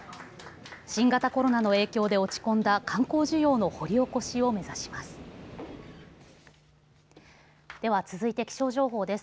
新型コロナの影響で落ち込んだ観光需要の掘り起こしを目指します。